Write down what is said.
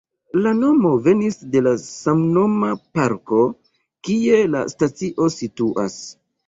La nomo venis de la samnoma parko, kie la stacio situas.